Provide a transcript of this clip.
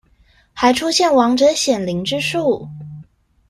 還出現亡者顯靈之術